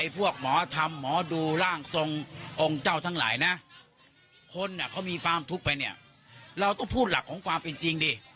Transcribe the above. พวกหมอธรรมหมอดูร่างทรงองค์เจ้าทั้งหลายนะคนเขามีความทุกข์ไปเนี่ยเราต้องพูดหลักของความเป็นจริงดิ